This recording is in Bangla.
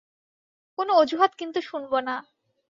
কোন অজুহাত কিন্তু শুনবো না।